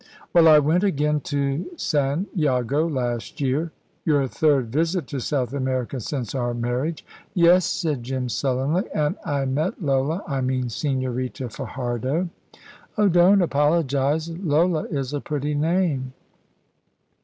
"Well, I went again to San Jago, last year " "Your third visit to South America since our marriage." "Yes," said Jim, sullenly; "an' I met Lola I mean Señorita Fajardo." "Oh, don't apologise. Lola is a pretty name."